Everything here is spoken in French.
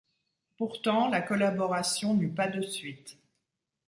Pourtant la collaboration n'eut pas de suite.